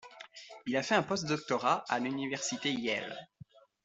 Il fait un post-doctorat à l'université Yale.